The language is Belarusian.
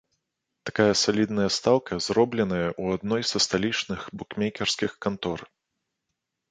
Такая салідная стаўка зробленая ў адной са сталічных букмекерскіх кантор.